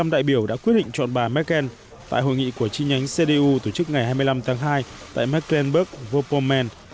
chín mươi năm đại biểu đã quyết định chọn bà merkel tại hội nghị của chi nhánh cdu tổ chức ngày hai mươi năm tháng hai tại mecklenburg vorpommern